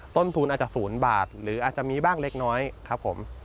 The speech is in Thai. ต้นทุนอาจจะ๐บาทหรืออาจจะมีบ้างเล็กน้อยครับผม